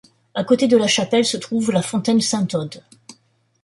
A côté de la chapelle se trouve la ‘Fontaine Sainte-Ode’.